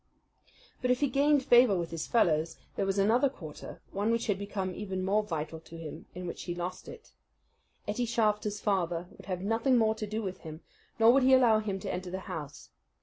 But if he gained favour with his fellows, there was another quarter, one which had become even more vital to him, in which he lost it. Ettie Shafter's father would have nothing more to do with him, nor would he allow him to enter the house.